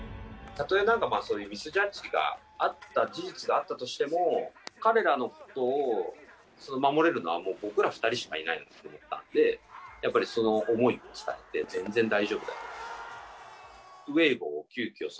たとえ、なんかそういうミスジャッジがあった事実があったとしても、彼らのことを守れるのは、もう僕ら２人しかいないと思ったので、やっぱりその思いを伝えて、全然大丈夫だよって。